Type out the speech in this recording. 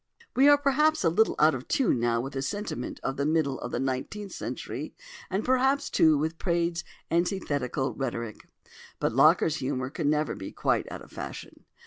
We are perhaps a little out of tune now with the sentiment of the middle of the nineteenth century and perhaps, too, with Praed's "antithetical rhetoric"; but Locker's humour can never be quite out of fashion.